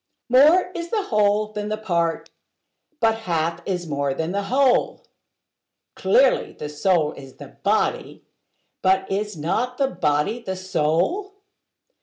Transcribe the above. More is the whole than a part: but half is more than the whole: Clearly, the soul is the body: but is not the body the soul?